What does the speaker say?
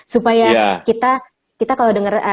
supaya kita kalau dengar